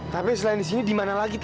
tapi selain di sini di mana lagi